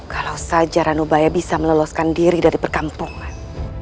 kalau saja ranubaya bisa meloloskan diri dari perkampungan